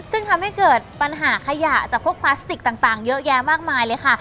ซึ่งทำให้เกิดปัญหาขยะจากพวกพลาสติกต่างเยอะแยะมากมายเลยค่ะ